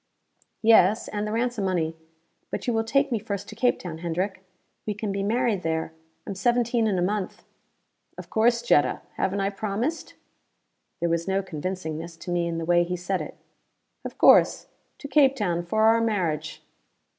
"Yes. And the ransom money. But you will take me first to Cape Town, Hendrick? We can be married there: I am seventeen in a month." "Of course, Jetta. Haven't I promised?" There was no convincingness to me in the way he said it. "Of course. To Cape Town for our marriage."